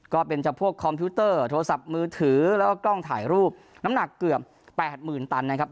ก็จะพวกคอมพิวเตอร์โทรศัพท์มือถือแล้วก็กล้องถ่ายรูปน้ำหนักเกือบ๘๐๐๐ตันนะครับ